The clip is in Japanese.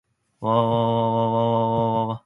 レーズンが嫌いだという人は思っているよりも多い。